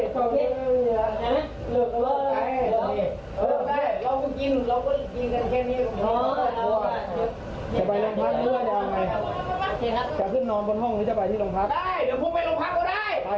ช่วยเดี๋ยวไม้เอาไปเอาไปรอ